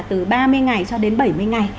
từ ba mươi ngày cho đến bảy mươi ngày